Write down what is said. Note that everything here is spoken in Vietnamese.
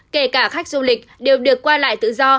kể cả khách du lịch đều được qua lại tự do